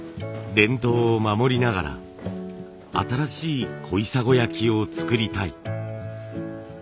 伝統を守りながら新しい小砂焼を作りたい。